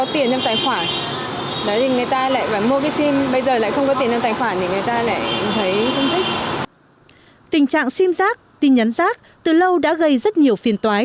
tình trạng sim giác tin nhắn giác từ lâu đã gây rất nhiều phiền toái